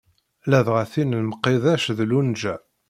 Ladɣa tin n Mqidec d lunja.